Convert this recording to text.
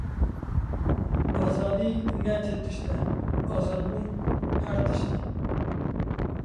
Azadî ne ti tişt e, azadbûn her tişt e.